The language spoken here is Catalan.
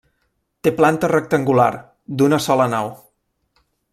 Té planta rectangular, d'una sola nau.